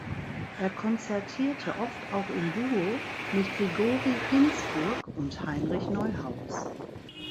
Er konzertierte oft auch im Duo mit Grigori Ginsburg und Heinrich Neuhaus.